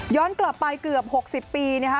ย้อนกลับไปเกือบ๖๐ปีเนี่ยค่ะ